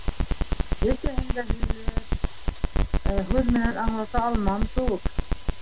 Бөтәһен дә һөйләп... һүҙ менән аңлата алмам кеүек.